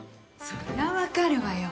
そりゃ分かるわよ。